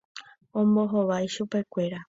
Ombohovái chupekuéra.